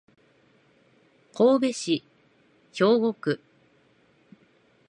神戸市兵庫区